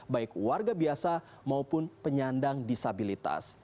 baik warga biasa maupun penyandang disabilitas